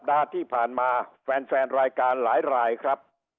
ดังนั้นเมื่อเรียกนะครับ